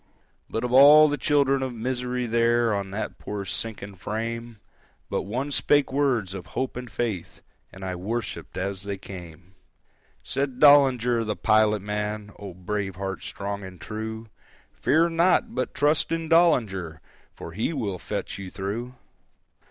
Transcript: But of all the children of misery there On that poor sinking frame, But one spake words of hope and faith, And I worshipped as they came: Said Dollinger the pilot man,—(O brave heart, strong and true!)—"Fear not, but trust in Dollinger, For he will fetch you through."